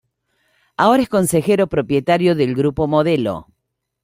Ahora es consejero propietario del Grupo Modelo.